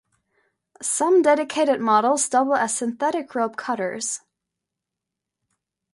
Some dedicated models double as synthetic rope cutters.